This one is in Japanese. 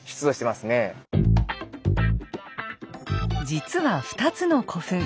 実は２つの古墳